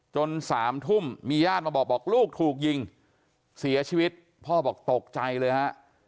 สามทุ่มมีญาติมาบอกบอกลูกถูกยิงเสียชีวิตพ่อบอกตกใจเลยฮะ